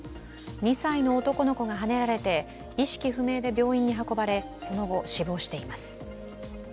２歳の男の子がはねられて意識不明で病院に運ばれ、その後死亡しています。